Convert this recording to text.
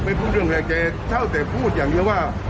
ไม่พูดเรื่องอะไรเจ๊เจ้าแต่พูดอย่างนี้ว่า